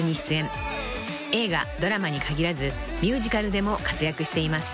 ［映画ドラマに限らずミュージカルでも活躍しています］